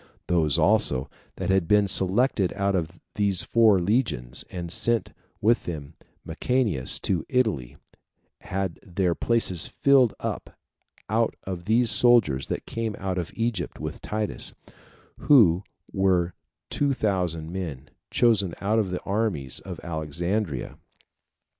Those also that had been selected out of these four legions, and sent with Mucianus to Italy, had their places filled up out of these soldiers that came out of Egypt with Titus; who were two thousand men, chosen out of the armies at Alexandria.